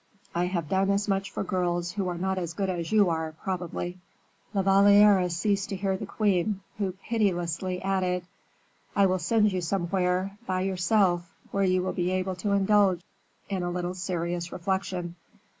I have done as much for girls who are not as good as you are, probably." La Valliere ceased to hear the queen, who pitilessly added: "I will send you somewhere, by yourself, where you will be able to indulge in a little serious reflection.